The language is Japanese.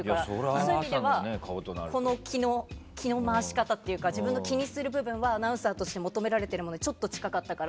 そういう意味ではこの気の回し方というか自分の気にする部分はアナウンサーとして求められてるものにちょっと近かったから。